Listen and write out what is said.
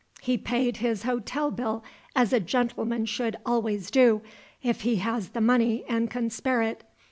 He paid his hotel bill as a gentleman should always do, if he has the money and can spare it.